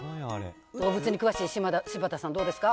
動物に詳しい柴田さん、どうですか？